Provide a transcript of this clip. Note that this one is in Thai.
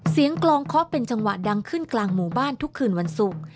กลองเคาะเป็นจังหวะดังขึ้นกลางหมู่บ้านทุกคืนวันศุกร์